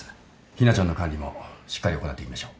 日菜ちゃんの管理もしっかり行っていきましょう。